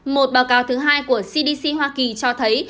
một báo cáo thứ hai của cdc hoa kỳ cho thấy